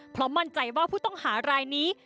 เพราะมั่นใจว่าผู้ต้องหารายนี้